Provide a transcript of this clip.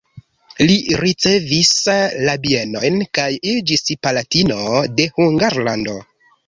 Li rericevis la bienojn kaj iĝis palatino de Hungarlando.